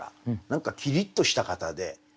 何かキリッとした方で。